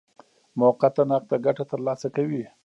موقته نقده ګټه ترلاسه کوي.